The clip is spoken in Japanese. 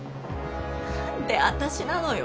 何で私なのよ。